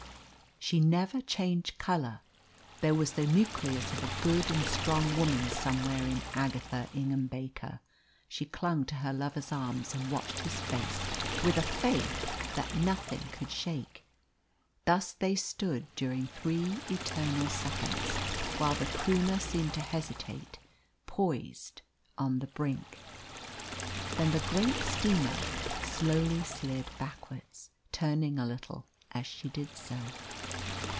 She never changed colour. There was the nucleus of a good and strong woman somewhere in Agatha Ingham Baker. She clung to her lover's arms and watched his face with a faith that nothing could shake. Thus they stood during three eternal seconds while the Croonah seemed to hesitate, poised on the brink. Then the great steamer slowly slid backwards, turning a little as she did so.